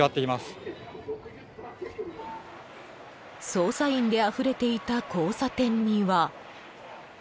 ［捜査員であふれていた交差点には］